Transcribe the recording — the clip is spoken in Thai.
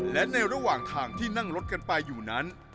และในระหว่างทางที่นั่งรถกันไปอยู่นั้น